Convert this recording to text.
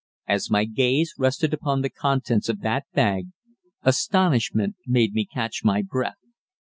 As my gaze rested upon the contents of that bag, astonishment made me catch my breath.